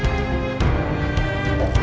kamu naik keatas duluan ya